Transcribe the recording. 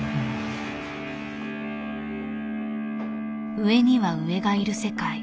上には上がいる世界。